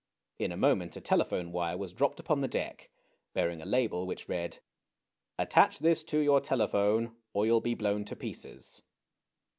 In a moment, a telephone wire was dropped upon the deck, bearing a label which read : Attach this to your telephone, or you'll be blown to pieces